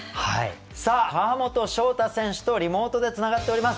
さあ川本翔大選手とリモートでつながっております